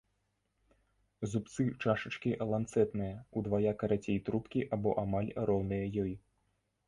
Зубцы чашачкі ланцэтныя, удвая карацей трубкі або амаль роўныя ёй.